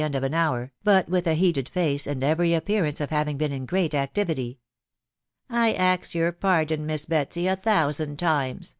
38ft J* an hour, but with a heated face, and every appearance of wring been in great activity. I ax your pardon, Mis Betsy, a thousand times